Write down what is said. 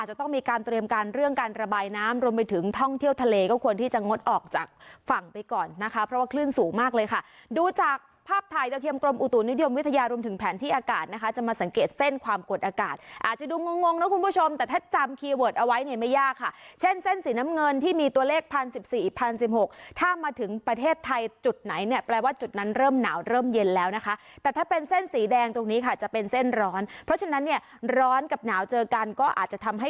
จะมาสังเกตเส้นความกวดอากาศอาจจะดูงงนะคุณผู้ชมแต่ถ้าจำคีย์เวิร์ดเอาไว้เนี่ยไม่ยากค่ะเช่นเส้นสีน้ำเงินที่มีตัวเลขพันสิบสี่พันสิบหกถ้ามาถึงประเทศไทยจุดไหนเนี่ยแปลว่าจุดนั้นเริ่มหนาวเริ่มเย็นแล้วนะคะแต่ถ้าเป็นเส้นสีแดงตรงนี้ค่ะจะเป็นเส้นร้อนเพราะฉะนั้นเนี่ยร้อนกั